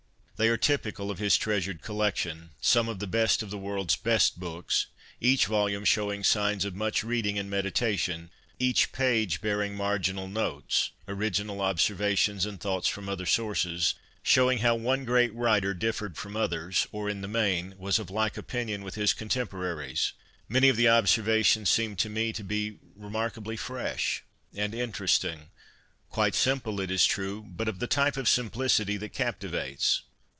They are typical of his treasured collection, some of the 132 CONFESSIONS OF A BOOK LOVER best of the world's best books, each volume showing signs of much reading and meditation, each page bearing marginal notes — original observations and thoughts from other sources, showing how one great writer differed from others, or, in the main, was of like opinion with his contemporaries. Many of the observations seem to me to be remarkably fresh and interesting — quite simple, it is true, but of the type of simplicity that captivates.